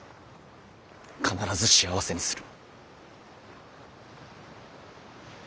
必ず幸せにする。